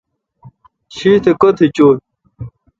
شیت کوتھ چویں ۔